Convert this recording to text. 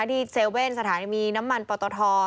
ที่เซเว่นสถานีมีน้ำมันปอตท